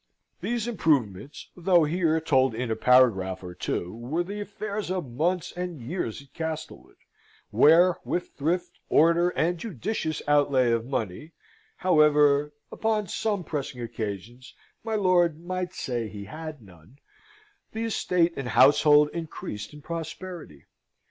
These improvements, though here told in a paragraph or two, were the affairs of months and years at Castlewood; where, with thrift, order, and judicious outlay of money (however, upon some pressing occasions, my lord might say he had none), the estate and household increased in prosperity.